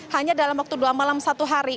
hanya dalam waktu dua malam satu hari